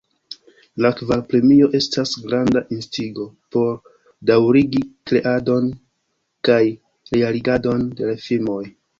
La kvara premio estas granda instigo por daŭrigi kreadon kaj realigadon de filmoj.